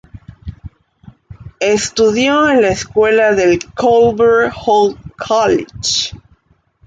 Estudió en la escuela del "Calvert Hall College".